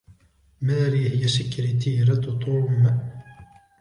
ماري هي سكرتيرة توم.